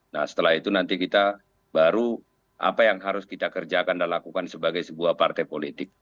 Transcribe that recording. nah setelah itu nanti kita baru apa yang harus kita kerjakan dan lakukan sebagai sebuah partai politik